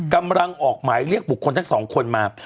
กำลังออกหมายเรียกบุคคลทั้งสองคนมา